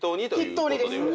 筆頭にです。